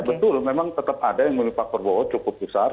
betul memang tetap ada yang memilih pak prabowo cukup besar